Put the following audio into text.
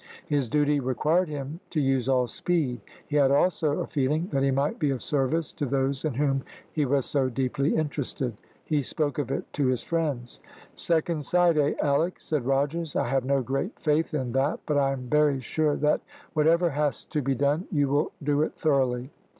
His duty required him to use all speed. He had also a feeling that he might be of service to those in whom he was so deeply interested. He spoke of it to his friends. "Second sight, eh, Alick!" said Rogers. "I have no great faith in that, but I am very sure that whatever has to be done you will do it thoroughly."